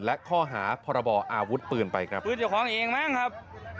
และข้อหาพรบออาวุธปืนไปครับ